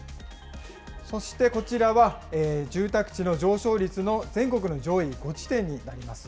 そしてこちらは、住宅地の上昇率の全国の上位５地点になります。